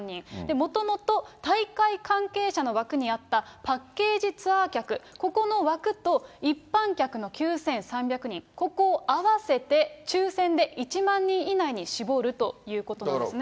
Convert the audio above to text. もともと大会関係者の枠にあったパッケージツアー客、ここの枠と、一般客の９３００人、ここを合わせて抽せんで１万人以内に絞るということなんですね。